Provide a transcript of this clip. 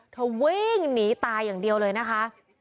วิ่งหนีตายอย่างเดียวเลยนะคะ